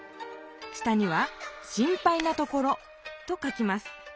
下には「心配なところ」と書きます。